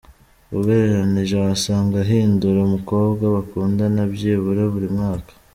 Ugereranije wasanga ahindura umukobwa bakundana byibura buri mwaka.